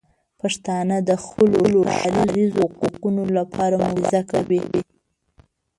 پښتانه د خپلو ښاریزو حقونو لپاره مبارزه کوي.